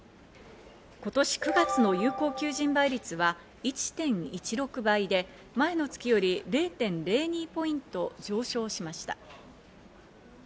今年９月の有効求人倍率は１．１６倍で、前の月より０．０２ポイント上昇しました。